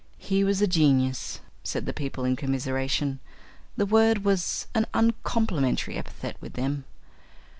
"He was a genius," said the people in commiseration. The word was an uncomplimentary epithet with them.